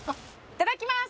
いただきます